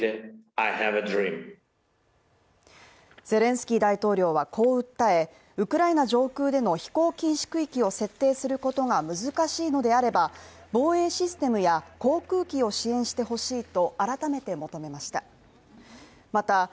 ゼレンスキー大統領はこう訴えウクライナ上空での飛行禁止区域を設定することが難しいのであれば防衛システムや航空機を支援してほしいと改めて求めました。